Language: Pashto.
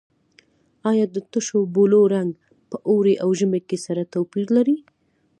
آیا د تشو بولو رنګ په اوړي او ژمي کې سره توپیر لري؟